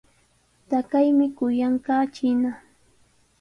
Taqaymi kuyanqaa chiina.